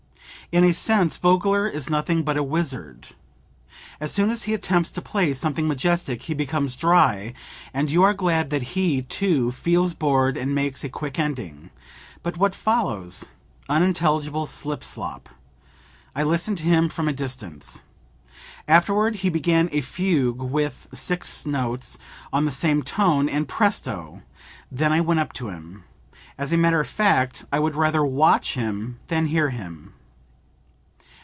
"In a sense Vogler is nothing but a wizard. As soon as he attempts to play something majestic he becomes dry, and you are glad that he, too, feels bored and makes a quick ending. But what follows? unintelligible slip slop. I listened to him from a distance. Afterward he began a fugue with six notes on the same tone, and Presto! Then I went up to him. As a matter of fact I would rather watch him than hear him."